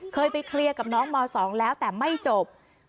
เคยไปเคลียร์กับน้องม๒แล้วแต่ไม่จบ